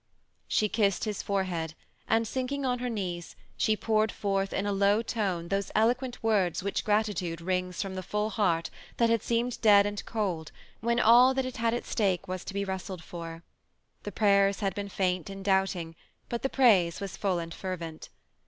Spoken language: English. She kissed his forehead, and sinking on her knees, she poured forth, in a low tone, those eloquent words which gratitude wrings from the full heart that had seemed de^d aj9d coldf when all that it had. at stake wa3 to bq lyi^Qstled for. The prayers had been faint and doubt ing, but the praise was full and fervent.